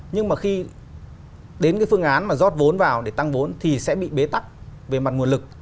nhưng mà khi đến cái phương án mà rót vốn vào để tăng vốn thì sẽ bị bế tắc về mặt nguồn lực